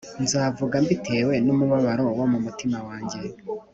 nzavuga mbitewe n’umubabaro wo mu mutima wanjye